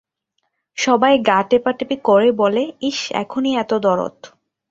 সবাই গা-টেপাটেপি করে বলে, ইস, এখনই এত দরদ!